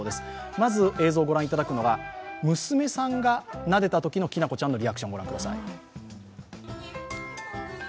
まず映像を御覧いただくのが娘さんがなでたときのきなこちゃんのリアクション御覧ください。